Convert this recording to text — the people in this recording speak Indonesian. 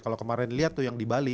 kalau kemarin lihat tuh yang di bali